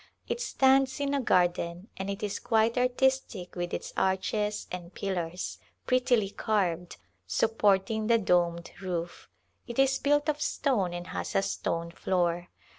It stands in a garden and is quite artistic with its arches and pillars — prettily carved — supporting the domed roof. It is built of stone and has a stone floor.